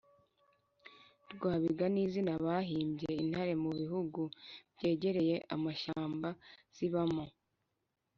Rwabiga ni izina bahimbye intare mu bihugu byegereye amashyamba zibamo.